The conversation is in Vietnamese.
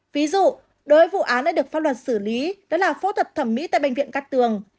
ví dụ đối với vụ án đã được pháp luật xử lý đó là phẫu thuật thẩm mỹ tại bệnh viện cát tường